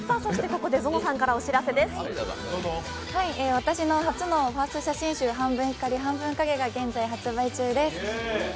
私の初のファースト写真集、「半分光、半分影」が現在発売中です